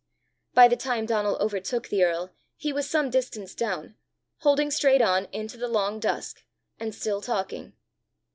By the time Donal overtook the earl, he was some distance down, holding straight on into the long dusk, and still talking.